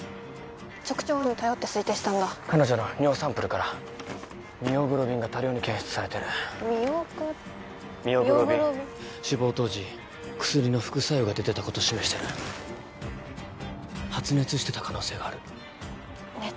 直腸温に頼って推定したんだ彼女の尿サンプルからミオグロビンが多量に検出されてるミオグロミオグロビンミオグロビン死亡当時薬の副作用が出てたこと示してる発熱してた可能性がある熱？